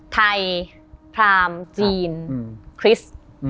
ไทยพรามจีนคริสต์